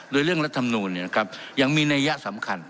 โดยเรื่องรัฐมนูลยังมีนัยยะสำคัญ